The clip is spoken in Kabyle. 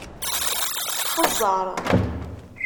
Xeẓẓeṛ!